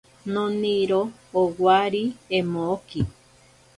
Noniro owari emoki.